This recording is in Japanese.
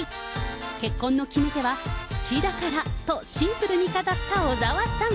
結婚の決め手は、好きだからと、シンプルに語った小澤さん。